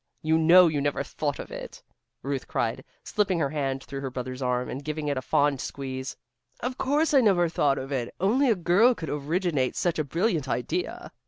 You know you never thought of it," Ruth cried, slipping her hand through her brother's arm, and giving it a fond squeeze. "Of course I never thought of it. Only a girl could originate such a brilliant idea."